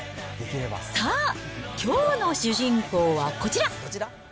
さあ、きょうの主人公はこちら。